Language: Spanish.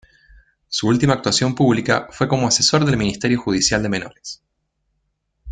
Su última actuación pública fue como asesor del ministerio judicial de menores.